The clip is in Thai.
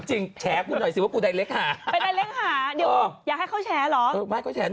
จริงแฉกหน่อยผมไดร็กไห้